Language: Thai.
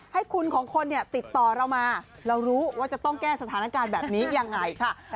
ให้คุณของคนเนี่ยติดต่อเรามาเรารู้ว่าจะต้องแก้สถานการณ์แบบนี้ยังไงค่ะ